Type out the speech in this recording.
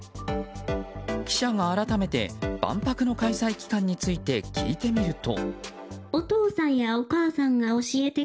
記者が改めて万博の開催期間について聞いてみると。